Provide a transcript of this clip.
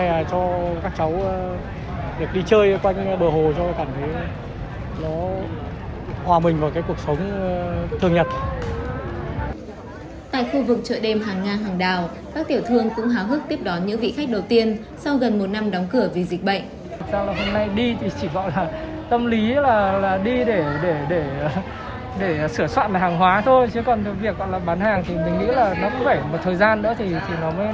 thật ra là hôm nay đi thì chỉ gọi là tâm lý là đi để sửa soạn hàng hóa thôi chứ còn việc bán hàng thì mình nghĩ là nó cũng phải một thời gian nữa thì nó mới khá lên được